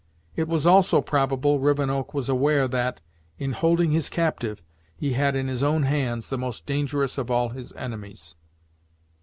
It was also probable Rivenoak was aware that, in holding his captive, he had in his own hands the most dangerous of all his enemies.